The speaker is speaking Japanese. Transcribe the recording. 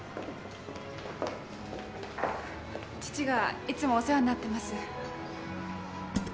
父がいつもお世話になってます。